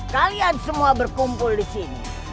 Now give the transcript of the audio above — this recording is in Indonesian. kalian semua berkumpul disini